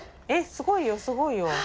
えっすごいよすごいよ。